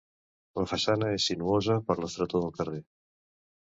La façana és sinuosa per l'estretor del carrer.